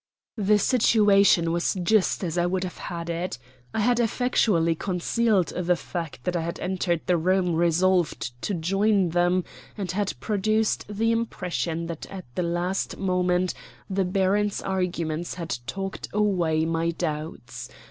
The situation was just as I would have had it. I had effectually concealed the fact that I had entered the room resolved to join them, and had produced the impression that at the last moment the baron's arguments had talked away my doubts.